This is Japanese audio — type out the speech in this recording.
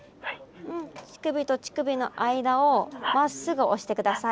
うん乳首と乳首の間をまっすぐ押して下さい。